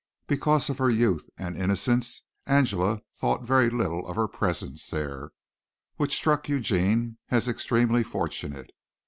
Because of her youth and innocence Angela thought very little of her presence there, which struck Eugene as extremely fortunate.